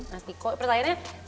nah tiko pertanyaannya